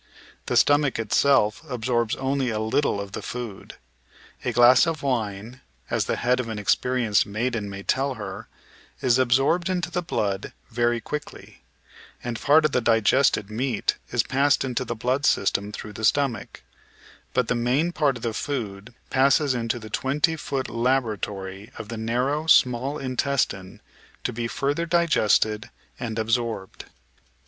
The stomach itself absorbs only a little of the food. A glass of wine — as the head of an inexperi enced maiden may tell her — is absorbed into the blood very quickly, and part of the digested meat is passed into the blood system through the stomach; but the main part of the food passes into the twenty foot laboratory of the narrow "small intestine," to be further digested and absorbed.